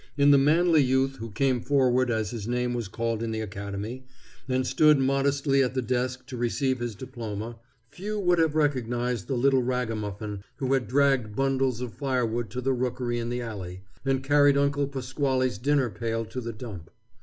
In the manly youth who came forward as his name was called in the academy, and stood modestly at the desk to receive his diploma, few would have recognized the little ragamuffin who had dragged bundles of fire wood to the rookery in the alley, and carried Uncle Pasquale's dinner pail to the dump.